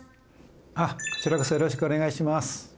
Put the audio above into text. あっこちらこそよろしくお願いします。